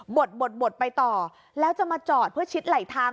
บดบดไปต่อแล้วจะมาจอดเพื่อชิดไหลทาง